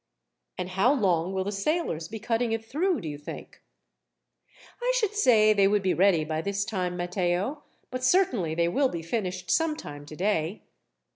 "And how long will the sailors be cutting it through, do you think?" "I should say they would be ready by this time, Matteo, but certainly they will be finished some time today."